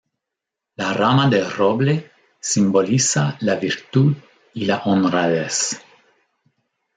La rama de roble simboliza la virtud y la honradez.